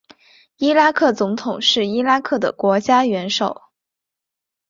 伊拉克总统是伊拉克的国家元首。